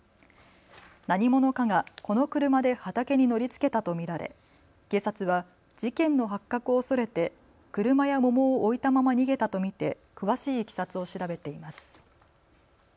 何者かがこの車で畑に乗りつけたと見られ警察は事件の発覚を恐れて車や桃を置いたまま逃げたと見て詳しいいきさつを調べています。